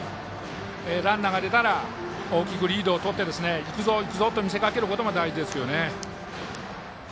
ランナーが出たら大きくリードをとって行くぞ、行くぞと見せかけることも大事ですね。